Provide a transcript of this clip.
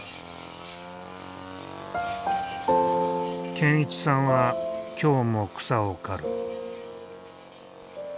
健一さんは今日も草を刈る。